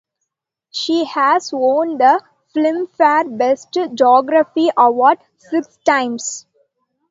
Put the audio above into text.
She has won the Filmfare Best Choreography Award six times.